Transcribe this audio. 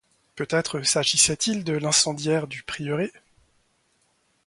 Peut-être s'agissait-il de l'incendiaire du prieuré?